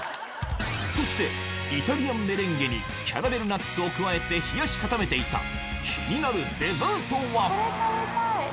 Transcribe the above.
そしてイタリアンメレンゲにキャラメルナッツを加えて冷やし固めていた気になるデザートは？